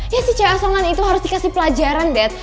ya si cewek asongan itu harus dikasih pelajaran dad